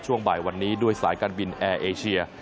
บ่ายวันนี้ด้วยสายการบินแอร์เอเชีย